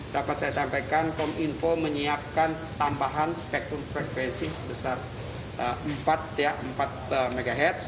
dapat saya sampaikan kom info menyiapkan tambahan spektrum frekuensi sebesar empat mhz